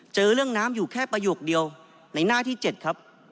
เจอเรื่องน้ำอยู่แค่ประโยคเดียวในหน้าที่๗ครับ